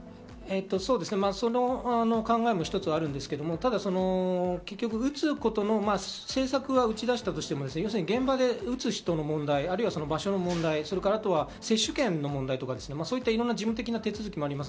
そうですね、その考えも一つあるんですけど、結局、打つことの政策を打ち出したとしても、現場で打つ人の問題、あるいは場所の問題、あとは接種券の問題とか、いろんな事務的な手続きもあります。